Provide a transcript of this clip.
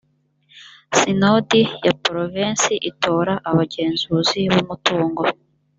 sinodi ya porovensi itora abagenzuzi b umutungo